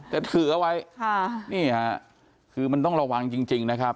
แต่ถือเอาไว้ค่ะนี่ค่ะคือมันต้องระวังจริงนะครับ